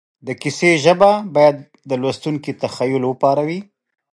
د کیسې ژبه باید د لوستونکي تخیل وپاروي